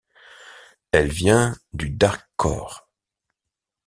Elle vient du darkcore.